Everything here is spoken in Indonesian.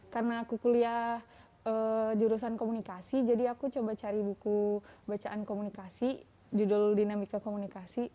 karena aku kuliah jurusan komunikasi jadi aku coba cari buku bacaan komunikasi judul dinamika komunikasi